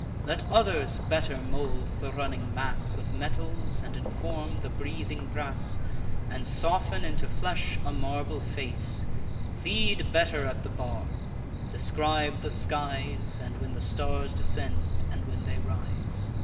Let others better mould the running mass Of metals, and inform the breathing brass, And soften into flesh a marble face; Plead better at the bar; describe the skies, And when the stars descend, and when they rise.